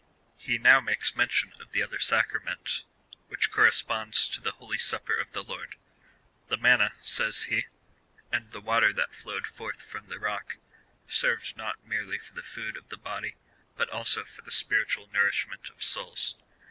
He now makes mention of the other sacrament, which corresponds to the Holy Supper of the Lord. " The manna," says he, " and the water that flowed forth from the rock, served not merely for the food of the body, but also for the spiritual nourishment of souls."